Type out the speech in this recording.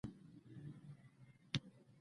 د کابل د سقوط لپاره په ناځوانۍ سره استعمال شو.